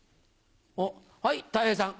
おっはいたい平さん。